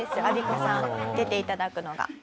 アビコさん出ていただくのが。